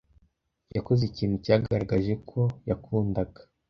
yakoze ikintu cyagaragaje ko yakundaga